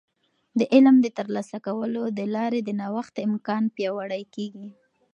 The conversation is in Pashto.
د علم د ترلاسه کولو د لارې د نوښت امکان پیاوړی کیږي.